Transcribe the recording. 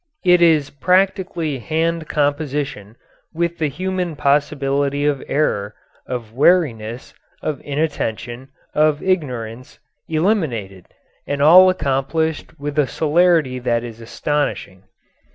It is practically hand composition with the human possibility of error, of weariness, of inattention, of ignorance, eliminated, and all accomplished with a celerity that is astonishing.